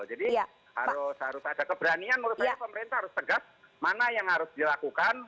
harus ada keberanian menurut saya pemerintah harus tegas mana yang harus dilakukan